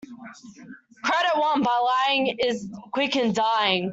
Credit won by lying is quick in dying.